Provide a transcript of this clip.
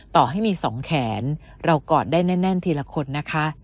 ต่อให้มี๒แขนเรากอดได้แน่นทีละคนนะคะ